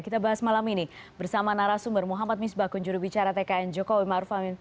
kita bahas malam ini bersama narasumber muhammad misbakun jurubicara tkn joko wimarova